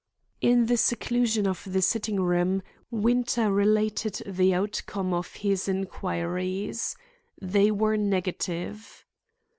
In the seclusion of the sitting room, Winter related the outcome of his inquiries. They were negative.